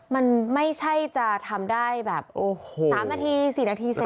มันไม่ใช่จะทำได้แบบโอ้โห๓นาที๔นาทีเสร็จ